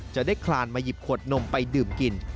คลานมาหยิบขวดนมไปดื่มกิน